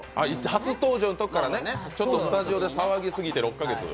初登場のときから、スタジオで騒ぎすぎて６か月。